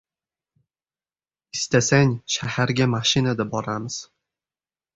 Istasang, shaharga mashinada boramiz.